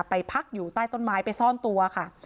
พักอยู่ใต้ต้นไม้ไปซ่อนตัวค่ะ